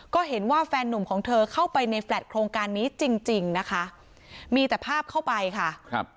ก็เห็นว่าแฟนนุ่มของเธอเข้าไปในแฟลตโครงการนี้จริงจริงนะคะมีแต่ภาพเข้าไปค่ะครับ